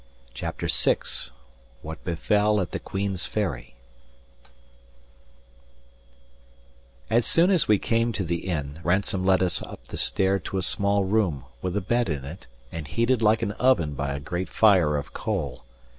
CHAPTER VI WHAT BEFELL AT THE QUEEN'S FERRY As soon as we came to the inn, Ransome led us up the stair to a small room, with a bed in it, and heated like an oven by a great fire of coal.